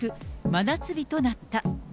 真夏日となった。